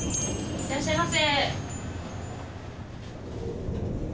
・いらっしゃいませ。